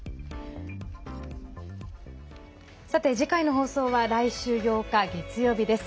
さて、次回の放送は来週８日月曜日です。